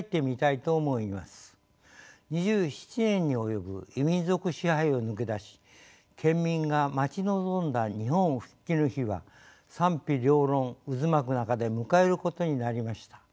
２７年に及ぶ異民族支配を抜け出し県民が待ち望んだ日本復帰の日は賛否両論渦巻く中で迎えることになりました。